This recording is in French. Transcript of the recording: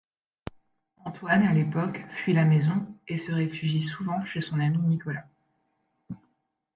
Antoine à l'époque fuit la maison et se réfugie souvent chez son ami Nicolas.